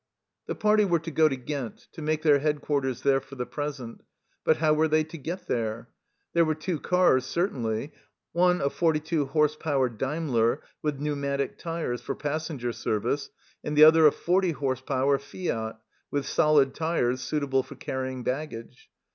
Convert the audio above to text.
The party were to go to Ghent, to make their headquarters there for the present. But how were they to get there ? There were two cars certainly, one a 42 h.p. Daimler, with pneumatic tyres, for passenger service, and the other a 40 h.p. Fiat, with solid tyres, suitable for carrying baggage.